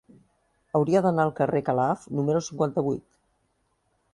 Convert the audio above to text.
Hauria d'anar al carrer de Calaf número cinquanta-vuit.